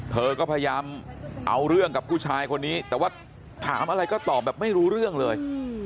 เธอก็พยายามเอาเรื่องกับผู้ชายคนนี้แต่ว่าถามอะไรก็ตอบแบบไม่รู้เรื่องเลย